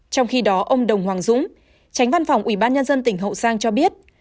trong khi đó ông đồng hoàng dũng tránh văn phòng ủy ban nhân dân tỉnh hậu giang cho biết